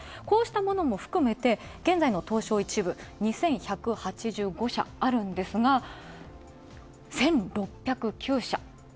こうしたものも含めて現在の東証１部２１８５社あるんですが、１６０９社。